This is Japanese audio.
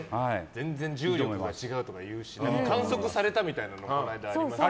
全然重力が違うとかいうし観測されたみたいなのもこの間ありましたよね。